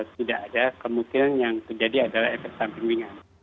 tidak ada kemungkinan yang terjadi adalah efek samping ringan